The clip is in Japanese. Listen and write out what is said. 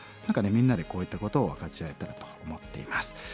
みんなでこういったことを分かち合えたらと思っています。